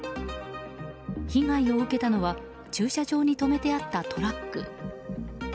被害を受けたのは駐車場に止めてあったトラック。